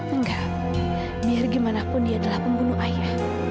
enggak biar gimana pun dia adalah pembunuh ayah